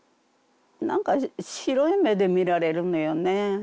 何か白い目で見られるのよね。